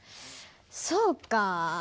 そうか。